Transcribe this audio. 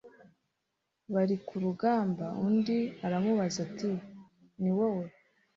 barikurugamba Undi aramubaza ati ni wowe